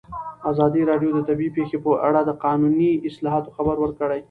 ازادي راډیو د طبیعي پېښې په اړه د قانوني اصلاحاتو خبر ورکړی.